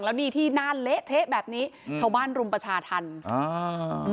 แล้วนี่ที่หน้าเละเทะแบบนี้ชาวบ้านรุมประชาธรรมอ่า